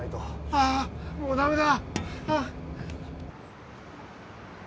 あぁもうダメだ。